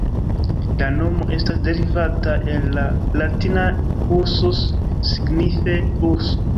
La nomo estas derivata el la Latina "ursus", signife "urso".